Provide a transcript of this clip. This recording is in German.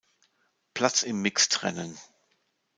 Platz im Mixed-Rennen.